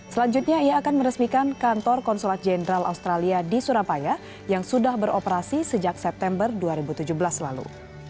selanjutnya ia akan meresmikan kantor konsulat jenderal australia di surabaya yang sudah beroperasi sejak september dua ribu tujuh belas lalu